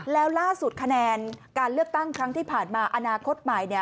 แล้วล่าสุดคะแนนการเลือกตั้งครั้งที่ผ่านมาอนาคตใหม่